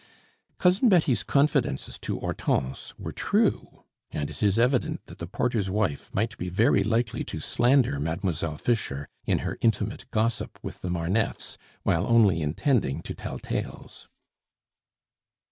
Cousin Betty's confidences to Hortense were true; and it is evident that the porter's wife might be very likely to slander Mademoiselle Fischer in her intimate gossip with the Marneffes, while only intending to tell tales.